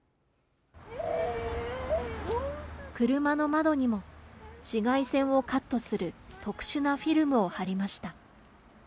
車の窓にも紫外線をカットする特殊なフィルムを貼りました。